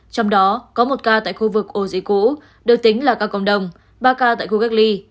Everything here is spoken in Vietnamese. trong đó có một ca tại khu vực ổ dịch cũ được tính là ca cộng đồng ba ca tại khu cách ly